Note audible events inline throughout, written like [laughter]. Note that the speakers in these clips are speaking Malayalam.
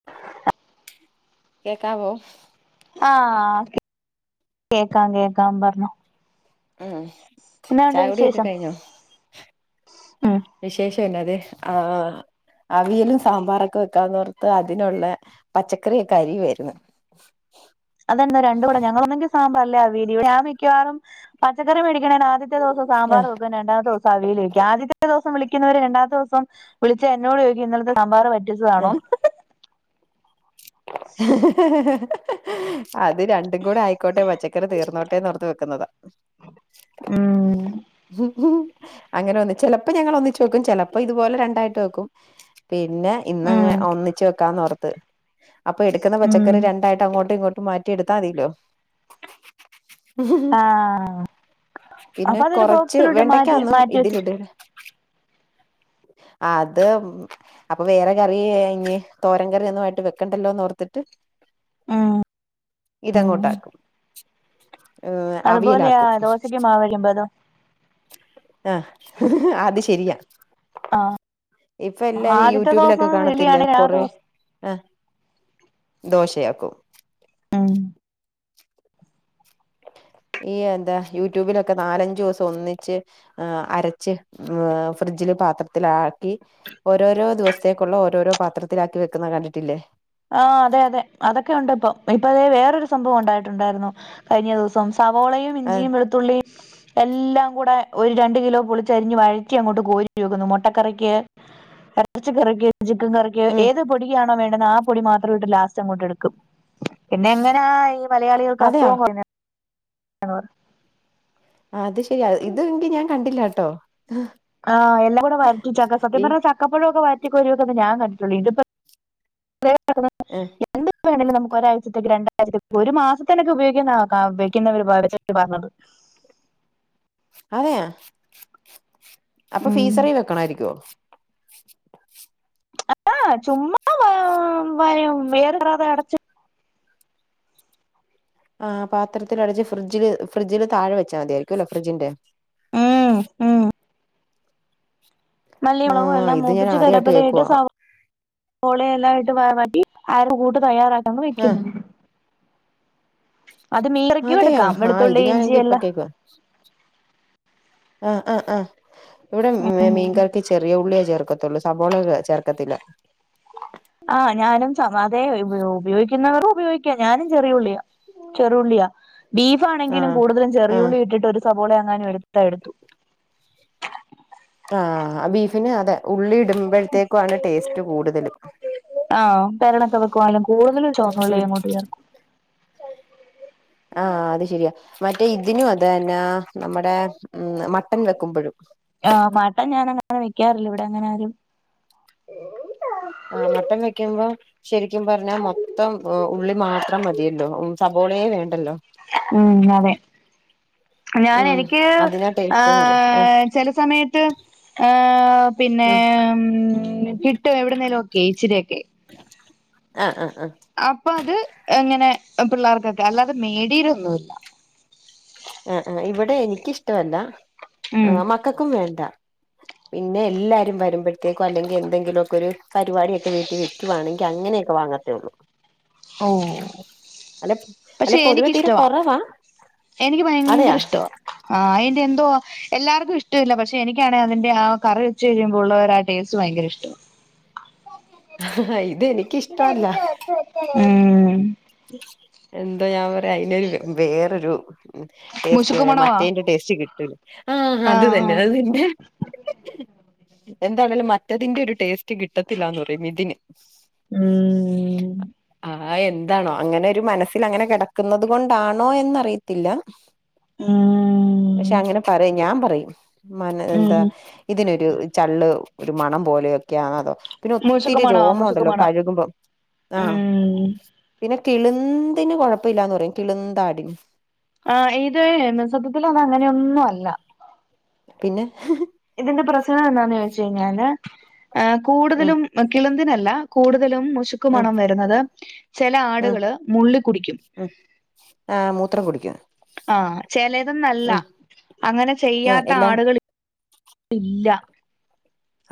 [inaudible] കേക്കാവോ ആഹ് കേക്കാം കേക്കാം പറഞ്ഞോ ഉം എന്നാണ്ട് ചായ കുടിയൊക്കെ വിശേഷം കഴിഞ്ഞോ ഉം വിശേഷംന്നത് ആ അവീലും സാമ്പാറൊക്കെ വെക്കാവുന്നോർത്ത് അതിനുള്ള പച്ചക്കറിയക്കെ അരിവരുന്നു അതന്നോ രണ്ട കൂടെ ഞങ്ങളൊന്നെങ്കിൽ സാമ്പാർ അല്ല അ വീൽ ഞാമിക്കവാറും പച്ചക്കറി മേടിക്കണ ആദ്യം ത്തെ ദൂസം സാമ്പാർ ആഹ് വെക്കും പിന്നെ രണ്ടാമത്തെ ദൂസം സവിൽവെക്കേ ആദ്യത്തെ ദുവസം വിളിക്കുന്നവര് രണ്ടാമത്തെ ദൂസം വിളിച്ച എന്നോട് ചോദിക്കും ഇന്നലത്തെ സാമ്പാർ വറ്റിച്ചതാണോ ആഹ് [inaudible] അത് രണ്ടും കൂടെ ആയിക്കോട്ടെ പച്ചക്കറി തീർന്നോട്ടെന്നോർത്ത് വെക്കുന്നതാ ഉം [inaudible] അങ്ങനെ ഒന്നിചിലപ്പോ ഞങ്ങൾ ഒന്നിച്ച് വെക്കും ചിലപ്പോ ഇതുപോലെ രണ്ടായിട്ട് വെക്കും പിന്നെ ഇന്നങ്ങ ഉം ഒന്നിച്ച് വെക്കാന്നോർത്ത് അപ്പൊ എടുക്കുന്ന ഉം പച്ചക്കറി രണ്ടായിട്ടും അങ്ങോട്ടും ഇങ്ങോട്ടും മാറ്റി എടുത്താൽ മതില്ലോ ആഹ് പിന്നെ അപ്പൊ അതൊരു കൊറച്ച് ബോക്സിലോട്ട് മാറ്റി വെണ്ടക്കാന്നും മാറ്റി വെച്ചിട്ട് ഇതിലിട അത് അപ്പൊ വേറെ കറി ഇഞ് തോരം കറിയൊന്നുമായിട്ട് വെ കണ്ടല്ലോന്നോർത്തിട്ട് ആഹ് ഇതങ്ങോട്ടാക്കും അ അതുപോലെയാ അവിയലാക്കും ദോശക്ക് മാവരയ്ക്കുമ്പോ അതോ ആ അത് ശെരിയാ ആഹ് ഇപ്പൊ ആദ്യത്തെ എല്ലാരുംയൂടൂബിലൊക്കെ ദിവസം കാണത്തില്ലേ വിളിയാണെ ആ കൊറേ ദിവസം ആഹ് ദോശയാക്കും ഉം ഈയെന്താ യൂട്യൂബിലൊക്കെ നാലഞ്ചോസം ഒന്നിച്ച് അരച്ച് ഫ്രിഡ്ജില് പാത്രത്തിലാക്കി ഓരോരോ ദിവസത്തേക്കുള്ള ഓരോരോ പാത്രത്തിലാക്കി വെക്കുന്ന കണ്ടിട്ടില്ലേ ആഹ് അതെ അതെ അതെക്കെ ഉണ്ടിപ്പോ ഇപ്പൊ ദെ വേറൊരു സംഭവമുണ്ടായിട്ടുണ്ടായിരുന്നു കഴിഞ്ഞ ദിവസം ആ സവോളയുമിഞ്ചിയും വെളുത്തുള്ളിയും എല്ലാം കൂടെ ഒരു രണ്ട് കിലോ പൊ ളിച്ചരിഞ്ഞ് വഴറ്റി അങ്ങോട്ട് കോരി വെക്കുന്നു മുട്ടക്കറിക്ക്‌ എർച്ചക കുറക്ക് ചിക്കൻ കറിക്ക്‌ ഉം ഏത് പൊടിയാണോ വേണ്ടന്ന ആ പൊടി മാത്രം ഇട്ട് ലാസ്റ്റ് അങ്ങോട്ട് എടുക്കും പിന്നെങ്ങനാ ഈ മലയാളികൾക്ക് അതെയോ അസുഖം കുറഞ്ഞ അത് ശരിയാ ഇത്ങ്കി ഞാൻ കണ്ടില്ലാട്ടോ ആഹ് എന്നെക്കൊണ്ട് വഴറ്റി ചക്ക സത്യം ഈ പറഞ്ഞാൽ ചക്കപ്പഴൊക്കെ വഴറ്റികോരിവെക്കുന്നതേ ഞാൻ കണ്ടിട്ടുള്ളു ഇതിപ്പം [unintelligible] ആഹ് ഇന്തെപ്പേണേലും നമുക്ക്ഒരാഴ്ചത്തേക്ക് രണ്ടാഴ്ചത്തേക്ക്‌ഒരു മാസത്തിനൊക്കെ ഉപയോഗിക്കുന്ന [unintelligible] പറഞ്ഞത് അതെയാ അപ്പ ഉം ഫീസറി വെക്കണായിരിക്കുവോ അതാ ചുമ്മ വ വയം വേറ റത അടച്ച് ആഹ് പാത്രത്തിലടച്ച് ഫ്രിജ്ജില് ഫ്രിജ്ജില് താഴെ വെച്ചാമതിയായിരിക്കുവല്ലോ ഫ്രിഡ്ജിന്റെ ഉം ഉം മല്ലിയളവും ആഹ് എല്ലാം ഇത് ഞാൻ മൂപ്പിച്ച് ആദ്യമായിട്ട് കരിയാപ്പലയിട്ട് കേൾക്കുവാ സൗ പൊളിയെല്ലായിട്ട് വാവാട്ടി അര കൂട്ട് തയ്യാറാട്ടങ്ങ് ആഹ് വെക്കുന്ന് മീൻ കറിക്കും അതെയാ എടുക്കാം ആ ഇത് വെളുത്തുള്ളി ഇഞ്ചി ഞാനെങ്കി എല്ലാം ഇപ്പക്കേക്ക ആഹ് ആഹ് ആഹ് ഇവിടെമിമീൻകറിക്ക് ചെറിയ ഉള്ളിയേ ചേർക്കത്തൊള്ള് സവോള ചേർക്കത്തില്ല ആഹ് ഞാനും സമാതേ ഉപയോഗിക്കുന്നവറ് ഉപയോഗി ഞാനും ചെറിയ ഉള്ളിയാ ചെറുവുള്ളിയാ ബീഫാണെങ്കിലും ആഹ് കൂടുതലും ആഹ് ചെറിയുള്ളിയിട്ടിട്ട് ഒരു സവോളയെങ്ങാനുംഎടുത്താഎടുത്തു ആ ബീഫിനും അതെ ഉള്ളി ഇടുമ്പഴ് ത്തേക്കുവാണ് ടേസ്റ്റ് കൂടുതലും ആഹ് പെരണക്കവെക്കുവാണേലും കൂടുതലും ചോന്നുള്ളിഅങ്ങോട്ട്‌ ചേർക്കും ആഹ് അത് ശരിയ മറ്റേ ഇതിനും അതു തന്നാ നമ്മടെ മട്ടൻ വെക്കുമ്പൊഴും ആ മട്ടൻ ഞാനങ്ങനെ വെക്കാറില്ല ഇവിടങ്ങനാരും ആഹ് മട്ടൻ വെക്കുമ്പോ ശെരിക്കും പറഞ്ഞാ മൊത്തം ഉള്ളി മാത്രം മതിയല്ലോ സബോളേ വേണ്ടല്ലോ ഉം അതേ ഉം ഞാനെനിക്ക് അതിനാ ടേസ്റ്റ്ന്ന് പറയും ഉം ആഹ് ചെല സമയത്ത് ആഹ് പിന്നേ ഉം കിട്ടുഎവിടുന്നേലുഒക്കെ ഇച്ചിരിയൊക്കെ ആഹ് ആഹ് ആഹ് അപ്പൊ അത് എങ്ങനെ പിള്ളാർക്കെക്കെ അല്ലാതെ മേടീരോന്നൂല്ല ആഹ് ആഹ് ഇവിടെ എനിക്കിഷ്ട്ടവല്ല ഉം. മക്കക്കുംവേണ്ട പിന്നെ എല്ലാരും വരുമ്പഴത്തേക്കൊ അല്ലെങ്കി എന്തെങ്കിലുക്കെഒരു പരിപാടിഒക്കെ വീട്ടിവെക്ക്‌ ക്ക്‌ വേണെങ്കി അങ്ങനെയെക്കെ വാങ്ങത്തേഒള്ളൂ ഓഹ് അലെഅലെ പക്ഷെ പൊതുവെ തീരെ കൊ എനിക്കിഷ്ടവാ റവാ എനിക്ക് ഭയങ്കര ഇഷ്ട്ടവാ അയിന്റെ എന്തോ എല്ലാർക്കും ഇഷ്ട്ടല്ല പക്ഷേ എനിക്കാണെങ്കി അതിന്റെ ആ കറി വെച്ച് കഴിയുമ്പോളുള്ള ഒരു ആ ടേസ്റ്റ് ഭയങ്കരിഷ്ട്ടാ ഇതെനി ഉം എന്താ ഞാൻ പറയാ അയിനൊരു വേറൊരു ടേസ്റ്റ് മുശുക്ക് വേറെ മണവാ. മറ്റയിന്റെ ടേസ്റ്റ് കിട്ടൂല ആ അത് ആഹ് തന്നെ ആഹ്. അതെന്നെ എന്താണേലും മറ്റെതിന്റെരു ടേസ് റ്റ് കിട്ടത്തില്ലാന്ന് പറയും ഇതിന് ഉം. ആഎൻ താണോ അങ്ങനൊരുമനസ്സില് അങ്ങനെ കിടക്കുന്നതുകൊണ്ടാണോ എന്നറിയത്തില്ല പക്ഷെ ഉം. അങ്ങനെ പറയും ഞാൻ പറയും ഉമ്മാനെ എന്താ ഉം. ഇതിനൊരു ചള്ള് ഒരു മണം പോലെയൊക്കെയാണതോ പിന്നെ ഒത്തിരി മൂശുക്കുമാണോ രോമോണ്ടല്ലോ മൂശുക്കുമാണോ കഴ്കുമ്പം ആഹ് ഉം പിന്നെ കിള്ന്തിന് കൊഴപ്പല്ലാന്ന് പറയും കിള്ന്താടിന് ആഹ്ഇത് എന്നസത്യത്തില്അതങ്ങനൊന്നല്ല പിന്നെ ഇതിന്റെ പ്രസ്നെന്താന്ന് ചോയിച്ചയിഞ്ഞാല് ഉം കൂടുതലും പക്കിളന്തനല്ലകൂടുതലുംമുശു ക്ക് ഉം മണം വരുന്നത് ചെല ഉം ആട്കള് മുള്ളി കുടിക്കും ആഹ് മൂത്രം കുടിക്കും ആഹ് ചെലേതന്നല്ല ഉം അങ്ങനെ ആ എല്ലാം ചെയ്യാത്താള്കള് ഇല്ല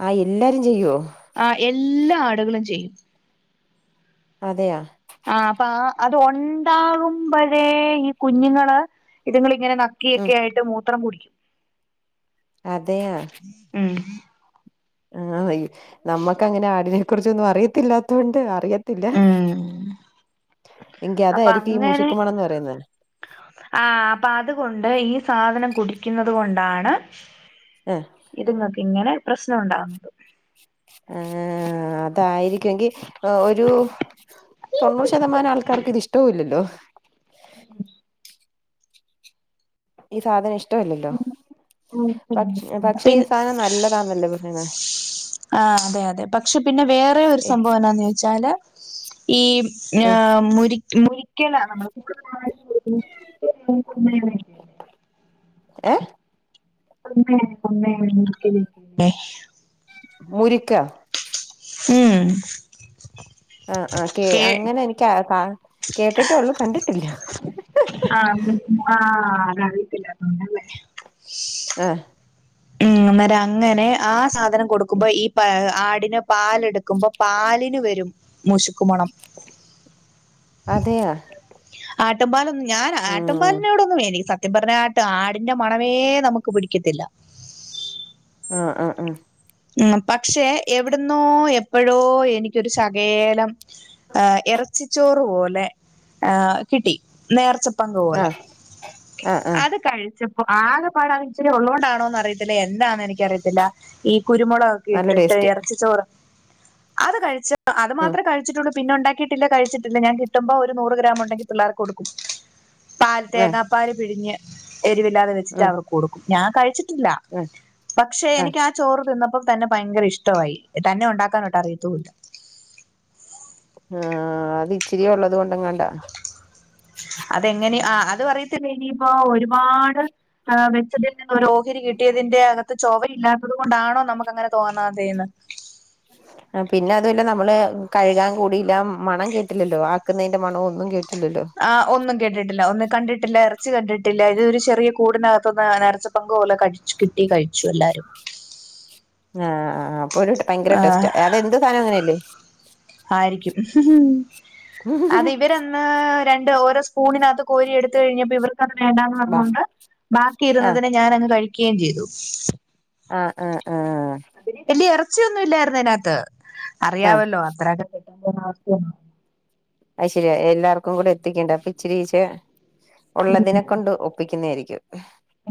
ആഹ് എല്ലാരും ചെയ്യോ ആഹ് എല്ലാടുകളും ചെയ്യും അതെയാ ആഹ് അപ്പ ആ അത് ഒണ്ടാകുമ്പഴേ ഈ കുഞ്ഞ്ങ്ങള് ഇതിങ്ങളിങ്ങനെ ന ഉം ക്കെക്കേയായിട്ട് മൂത്രം കുടിക്കും അതെയാ മ്മ് ആഹ് ഈ നമ്മക്കങ്ങനെ ആടിനെ കുറിച്ചൊന്നും അറിയത്തില്ലാത്തൊണ്ട് അറിയ പിന്നെ ഉം അപ്പൊ എങ്കിഅതായിരിക്കീ അങ്ങനെ മുശിക്ക് മണന്ന്പറയുന്നേ ആഹ് അപ്പതുകൊണ്ട് ഈ സാധനം കുടിക്കുന്നത് കൊണ്ടാണ് ആഹ് ഇതിമൊക്കിങ്ങനെ പ്രശ്നോണ്ടാവുന്നത് ആഹ് അതായിരികെങ്കി ഒരു തോണ്ണൂറ് ശതമാനാൾക്കാർക്ക് ഇത് ഇഷ്ടവുല്ലല്ലോ [unintelligible] ഈ സാധനം ഇഷ്ട്ടോല്ലല്ലോ പക് പക്ഷെ ഈ പിൻ സാധനം നല്ലതാന്നല്ലേ പറയ്ണേ ആഹ് അതെ അതെ പക്ഷെ പിന്നെ വേറെയൊരു സംഭവം എന്നാന്നോയിച്ചാല് ഈ ഏഹ് ഞാം മുരിക് മുരി ക്ക്യലാ നമ്മള് [unintelligible] ഏഹ് [unintelligible] മുരിക്കാ ഉം ആഹ് കേ അങ്ങനെനിക്ക്കാ കേട്ടിട്ടേള്ളൂ കണ്ടിട്ടില്ല ആഹ് ഉം ആഹ് അറിയത്തില്ലാത്തോണ്ടല്ലേ ആഹ് മ്മ് അന്നേരം അങ്ങനെ ആ സാധനം കൊടുക്കുമ്പോ ഈ പാ ആടിനെ പാലെടുക്കുമ്പോപാലിന് വരും മുശുക്കുമണം അതെയാ ആട്ടിൻപാലൊന്നും ഞാ ആട്ടിൻ ഉം ഫിലിനോടൊന്നും എനി സ സത്യം പറഞ്ഞാട്ട് ആടിന്റെ മണമേ നമ്മക്ക് പിടിക്കത്തില്ല ആ ആ ആ ഉം പക്ഷെ എവിടുന്നോ എപ്പോഴോ എനിക്കൊരു ശകേലം ആ എറച്ചിച്ചോറ് പോലെ ആ കിട്ടി നേർച്ച പങ്ക് പോലെ ആഹ് ആഹ് ആഹ് അത് കഴിച്ച ആകെ പാടെ ഇച്ചിരി ഒള്ളോണ്ടാണോന്ന് അറിയത്തില്ല എനാന്നും എനിക്കറിയത്തില്ല ഈ കുരുമൊളകൊക്കെ നല്ല ഇട്ടിട്ട് ടേസ്റ്റ് ഇറച്ചിച്ചോറ് അത് കഴിച്ച അത് ഉം മാത്രേ കഴിച്ചിട്ടുള്ളൂ പിന്നെ ഒണ്ടാക്കിയിട്ടില്ല കഴിച്ചിട്ടില്ല ഞാൻ കിട്ടുമ്പോ ഒരു നൂറ് ഗ്രാം ഉണ്ടെങ്കിൽ പിള്ളേർക്ക് കൊടുക്കും പാറ്റേ ആഹ് തേങ്ങാ പാല് പിഴിഞ്ഞ് എരിവില്ലാതെ വെച്ചിറ്റ് ഉം അവർക്ക് കൊടുക്കും ഞാൻ കഴിച്ച് ഇല്ല ആഹ് പക്ഷെ ആഹ് എനിക്കാ ചോറ് തിന്നപ്പോ തന്നെ ഭയങ്കര ഇഷ്ട്ടവായി തന്നെ ഉണ്ടാക്കാനോട്ട് അറിയത്തൂല്ല ആഹ് അത് ഇച്ചിരിയെ ഉള്ളത് കൊണ്ടെങ്ങാണ്ട അതെങ്ങനെ ആ അത് പറയത്തില്ല ഇനിയിപ്പോ ഒരുപാട് ആ വെച്ചതിൽ നിന്ന് ഓരോഹരി കിട്ടിയതിന്റെ അകത്ത് ചൊവയില്ലാത്തത് കൊണ്ടാണോ നമുക്ക് അങ്ങനെ തോന്നാതെന്ന് [inaudible] ആ പിന്നെ അതുവല്ല നമ്മള് കഴുകാൻ കൂടില്ല മണം കേട്ടില്ലല്ലോ ആക്കുന്നതിന്റെ മണോ ഒന്നും കേട്ടില്ലല്ലോ ആ ഒന്നും കേട്ടിട്ടില്ല ഒന്നും കണ്ടിട്ടില്ല ഇറച്ചി കണ്ടിട്ടില്ല ഇതൊരു ചെറിയ കൂടിനകത്തൊന്ന് [unintelligible] പങ്കുപോലെ കടിച്ച് കിട്ടി കഴിച്ചു എല്ലാരും ആഹ് ആ അപ്പൊ ഒരു ഭയങ്കര ആ ടെസ്റ്റാ അതെന്ത് സാധനം അങ്ങനെയല്ലേ ആരിക്കും [inaudible] അത് ഇവരന്ന് രണ്ട് ഓരോ സ്പൂണിനകത്ത് കോരി എടുത്ത് കഴിഞ്ഞപ്പോ ഇവർക്കത് വേണ്ടാന്ന് ബാ പറഞ്ഞോണ്ട് ബാക്കി ആ ഇരുന്നതിനെ ഞാൻ അങ്ങ് കഴിക്കേം ചെയ്തു ആ ആ ആ വെല്യ ഇറച്ചിയൊന്നും ഇല്ലായിരുന്നു അതിനകത്ത് ആ അറിയമല്ലോ അത്രൊക്കെ [unintelligible] അത് ശെരിയാ എല്ലാർക്കും കൂടെ എത്തിക്കണ്ടേ അപ്പൊ ഇചിരിച്ചേ ഉള്ളതിനെ കൊണ്ട് ഒ വെക്കുന്നതായിരിക്കും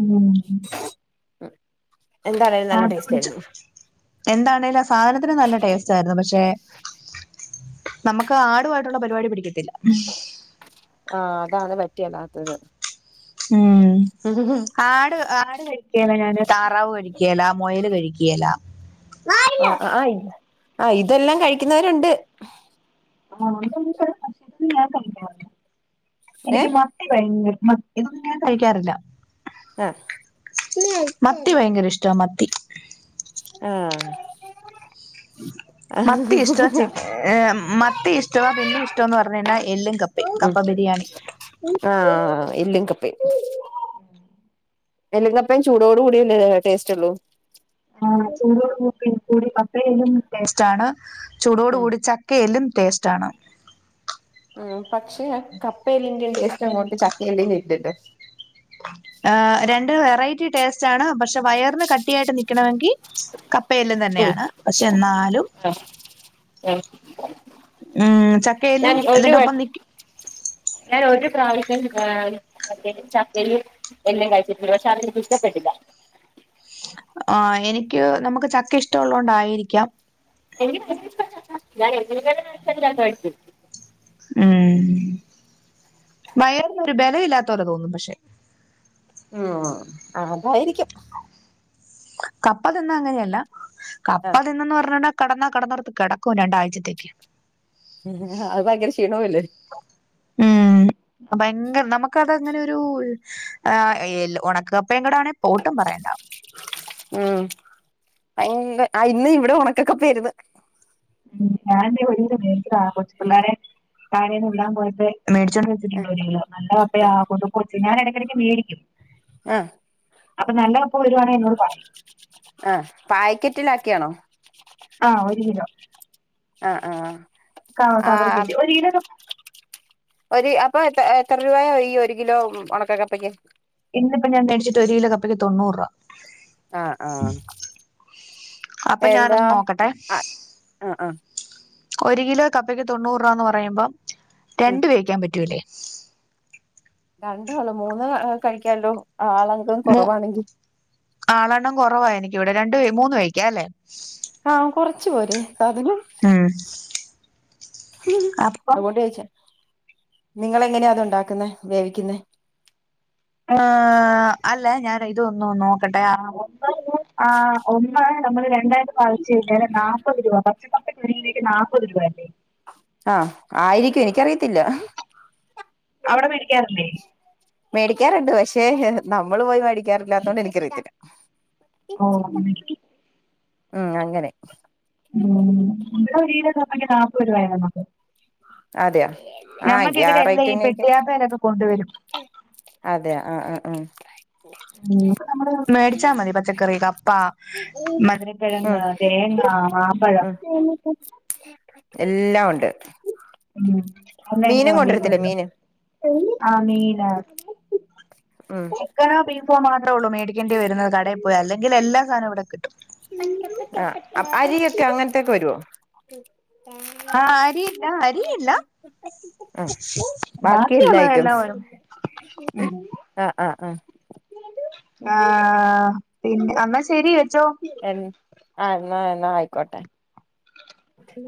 ഉം എന്താണേലും നല്ല അപ്പാ ടേസ്റ്റ് പിടിച്ചു ആയിരുന്നു എന്താണേലും ആ സാധനത്തിന് നല്ല ടേസ്റ്റ് ആയിരുന്നു പക്ഷേ നമ്മക്ക് ആടുമായിട്ടുള്ള പരുവാടി പിടിക്കത്തില്ല ആഹ് അതാണ് പറ്റെല്ലാത്തത് ഉം ആട് ആട് കഴിക്കല ഞാന്, താറാവ് കഴിക്കലാ മയൽ കഴിക്കല ആ ആ ഇത് ആഹ് ഇതെല്ലാം കഴിക്കുന്നവരുണ്ട് ആണോ എന്റെ അറിവില് ഒരു [inaudible] പറഞ്ഞില്ല ഏ എനിക്ക് മാ [inaudible] മത്ത്--‌ ഇതൊന്നും ഞൻ കഴിക്കാറില്ല ആഹ് മത്തി ഭയങ്കര ഇഷ്ട്ടാ മത്തി ആഹ് മത്തി ഇഷ്ട്ടാ ചിക്ക ഏ മത്തി ഇഷ്ട്ടെവ പിന്നെ ഇഷ്ടം എന്ന് പറഞ്ഞ കഴിഞ്ഞാ എല്ലും കപ്പ കപ്പയും ഉം ബിരിയാണി ആഹ് എല്ലും കപ്പേം എല്ലും കപ്പേം ചടോട് കുടിയല്ലേ ടേസ്റ്റ് ഉള്ളൂ ആഹ് ചൂടോട് കൂടി കൂ കപ്പയും എല്ലും ടേസ്റ്റ്ണ് ചൂടോട് ഉം കൂടി ചക്ക് കെലും ടേസ്റ്റ് ആണ് ഉം പക്ഷേ ആ കപ്പയിൽ എനിക്ക് ഏറ്റഷ്ട്ടം അങ്ങോട്ട് ചക്കയും ഇല്ലായിട്ടിട്ട് ആഹ് രണ്ട് വെറൈറ്റി ടേസ്റ്റ് ആണ് പക്ഷെ വയറിന് കട്ടിയായിട്ട് നിൽക്കാണെങ്കി കപ്പയും എല്ലും ഉം തന്നെയാണ് പക്ഷെ എന്നാലും ആഹ് ആഹ് ഉം ചക്കയിലും ഇതിന്റെ ഒപ്പം നിക്കി ഞൻ ഒരു പ്രാവിശ്യം ഏ [inaudible] ചക്കരയും എല്ലാം കഴിച്ചിടട്ട് പക്ഷേ അത് എനിക്ക് ഇഷ്ടപ്പെട്ടില്ല ആഹ് എനിക്ക് നമുക്ക് ചക്ക ഇഷ്ടള്ളോണ്ട് ആയിരിക്കാം എനിക്ക് [unintelligible] ഉം വയറിന്നൊരു ബല ഇല്ലാത്ത പോലെ തോന്നും ക്ഷെ ആഹ് അതായിരിക്കും കപ്പ തിന്ന അങ്ങനെയല്ല കപ്പ തിന്ന്ന്ന് പറഞ്ഞണ്ട് കടന്നാ കടന്നൊട്ത്ത് കേടക്കും രണ്ടാഴ്ചത്തേക്ക് [unintelligible] അത് ഭയങ്കര ക്ഷീണവല്ലേ ഉം ഭയങ്കര നമുക്കത് അങ്ങനൊരു ഏഹ് എല് ഒണക്ക കപ്പേകൂടെയാണേ പോട്ടും പറയണ്ട ഉം അയ്ന്ന് ഇന്ന് ഇവിടെ ഉണക്ക കപ്പ ആയിര്ന്ന് ഉം ഞാൻ ഒരു മേടിച്ച കൊച്ചു പിള്ളേരെെ തഴേന്ന് ഉള്ളാൻ പോയട്ട് മേടിച്ച വ ആഹ് ല്ല കൊതുച്ച ഞാന ഇടയ്ക്കിടക്ക് മേടിക്കും ആഹ് അപ്പൊ നല്ല അപ്പ വരുവാണെ എന്നോട് പറയ ആഹ് പാക്കറ്റിലാക്കിയാണോ ആഹ് ഒരു കിലോ ആഹ് ആഹ് കവറിൽ ആഹ് കയറ്റി ഒരു കിലോ ഒരു അപ്പൊ എത്ര എത്ര രൂപയ ഒരു കിലോ ഉണക്ക കപ്പക്ക് ഇന്ന്പ്പൊ ഞാൻ തയ്ച്ചിട്ട് ഒരു കിലോ കപ്പയ്ക്ക് തൊണ്ണൂറ് രൂപ ആഹ് ആഹ് അപ്പൊ എന്താ ഞാനൊന്ന് നോക്കട്ടെ ആഹ് ആഹ് ഒരു കിലോ കപ്പയ്ക്ക് തൊണ്ണൂറ് രൂപന്ന് പറയുമ്പോം ആഹ് രണ്ട് വേക്കാൻ പറ്റൂല്ലേ രണ്ടാള്ളോ മൂന്ന് കഴിക്കാല്ലോ ആളങ്കം മൂ കൊറവാണെങ്കി ആളെണ്ണം കൊറവാ എനിക്ക് ഇവടെ രണ്ട് വെയ് മൂന്ന് വെയ്ക്കാല്ലേ ആഹ് കൊറച്ച് പോരെ സാധനം മ്മ് അത്കൊണ്ട് ചോയിച്ചേ നിങ്ങളെങ്ങനെയാ അത് ഉണ്ടാക്ക്ന്നേ വേവിക്ക്ന്നേ ആഹ് അല്ല ഞാന് ഇതൊന്നും നോക്കട്ടെ ആഹ് ഒന്ന് നമ്മള് രണ്ടായിട്ട് ഭാഗിച്ച് കഴിഞ്ഞാല് നാപ്പത് രൂപ പച്ചക്കപ്പക്ക് ഒരു കിലോയ്ക്ക് നാപ്പത് രൂപയല്ലേ ആഹ് ആയിരിക്കും എനിക്കറിയത്തില്ല അവിടെ മേടിക്കാറില്ലേ മേടിക്കാറ്ണ്ട് പക്ഷേ നമ്മള് പോയി മേടിക്കാറില്ലാത്തൊണ്ട് എനിക്കറിയത്തില്ല ഓഹ് ആഹ് അങ്ങനെ ഉം നമ്മളെ [unintelligible] കപ്പയ്ക്ക് നാപ്പത് രൂപയാണ് [unintelligible] അതെയോ ആഹ് ഞമ്മക്ക് എങ്കി ആ ഇതിലെ എല്ലാ ഈ റേറ്റന്നെ ആയിരിക്കും പെട്ടിയാപ്പലോക്കെ കൊണ്ട് വരും അതെ ആഹ് ആഹ് ഉം മേടിച്ചാ മതി പച്ചക്കറി കപ്പ ഉം മധുരക്കിഴങ്ങ് തേങ്ങ മാമ്പഴം ഉം എല്ലാം ഉണ്ട് ഉം എല്ലാം ഇങ്ങനെ മീനും വണ്ടീല് കൊണ്ടുവരത്തില്ലേ കൊണ്ടരോ മീന് ആഹ് മീന് ഉം ചിക്കനോ ബീഫോ മാത്രേള്ളൂ മേടിക്കേണ്ടി വര്ന്നത് കടേ പോയി അല്ലെങ്കില് എല്ലാ സാധനും ഇവിടെ കിട്ടും ആഹ് അ അരിയൊക്കെ അങ്ങനത്തൊക്കെ വരോ ആഹ് അരി ഇല്ല അരിയില്ല ആഹ് ബാക്കി എല്ലാ ബാക്കിയുള്ളതെല്ലാം ഐറ്റംസ് വരും ആഹ് ആഹ് ആഹ് പിന്നെ എന്നാ ശെരി വെച്ചോ എൻ ആഹ് എന്നാ എന്നാ ആയിക്കോട്ടെ ഉ